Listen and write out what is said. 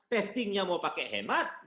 testingnya mau pakai hemat